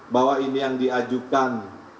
bahwa ini yang diajukan